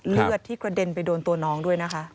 เลือดที่กระเด็นไปโดนตัวน้องด้วยนะคะ